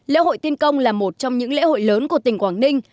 lễ hội tiên công là một trong những lễ hội lớn của tỉnh quảng ninh